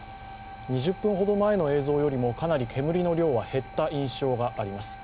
２０分ほど前の映像よりもかなり煙の量が減った印象があります。